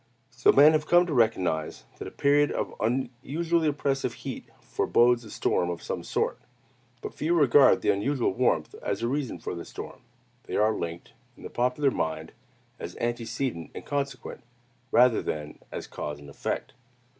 So men have come to recognize that a period of unusually oppressive heat forebodes a storm of some sort. But few regard the unusual warmth as a reason of the storm. They are linked, in the popular mind, as antecedent and consequent, rather than as cause and effect.